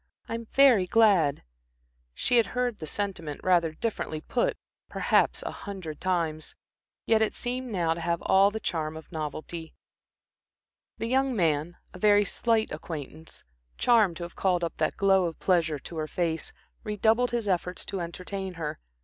"I'm very glad." She had heard the sentiment, rather differently put, perhaps a hundred times. Yet it seemed now to have all the charm of novelty. The young man, a very slight acquaintance, charmed to have called up that glow of pleasure to her face, redoubled his efforts to entertain her.